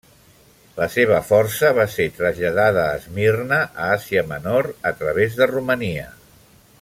La seva força va ser traslladada a Esmirna, a Àsia Menor a través de Romania.